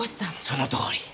そのとおり。